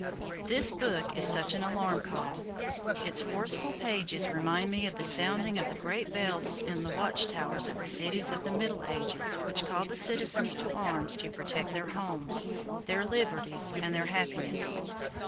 This book is such an alarm call. Its forceful pages remind me of the sounding of the great bells in the watch towers of the cities of the Middle Ages which called the citizens to arms to protect their homes, their liberties and their happiness.